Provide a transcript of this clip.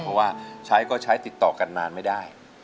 เพราะว่าใช้ก็ใช้ติดต่อกันนานไม่ได้